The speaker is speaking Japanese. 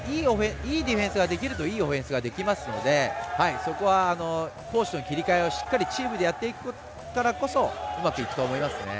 いいディフェンスができるといいオフェンスができますのでそこは攻守の切り替えをしっかりチームでやっていけたからこそうまくいくと思いますね。